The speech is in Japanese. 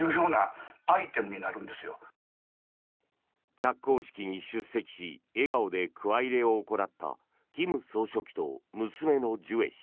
着工式に出席し笑顔でくわ入れを行った金総書記と娘のジュエ氏。